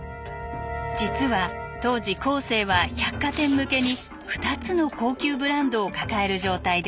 実は当時コーセーは百貨店向けに２つの高級ブランドを抱える状態でした。